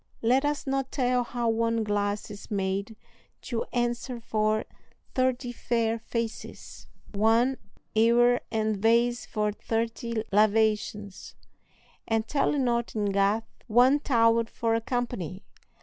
Let us not tell how one glass is made to answer for thirty fair faces, one ewer and vase for thirty lavations; and tell it not in Gath one towel for a company!